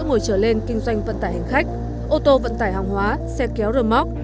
ô tô ngồi chở lên kinh doanh vận tải hành khách ô tô vận tải hàng hóa xe kéo rơ móc